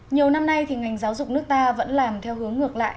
nhiều năm nay thì ngành giáo dục nước ta vẫn làm theo hướng ngược lại